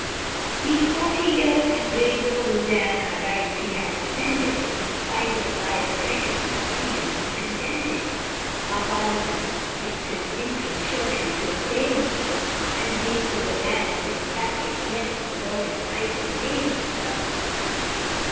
These forty years brave noble Dan our rights he has defended; In spite of vile Oppression, for Freedom he contended! Our Parliament it's his interest shortly to obtain, sir, And gain for the land St. Patrick blest, with all his might and main, sir.